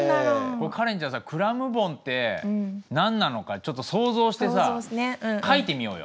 カレンちゃんさクラムボンって何なのかちょっと想像してさ描いてみようよ。